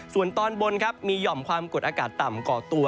ส่วนตอนบนครับมีห่อมความกดอากาศต่ำก่อตัว